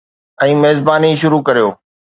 ۽ ميزباني شروع ڪريو.